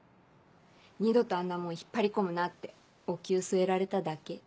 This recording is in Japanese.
二度とあんな者引っ張り込むなってお灸据えられただけ。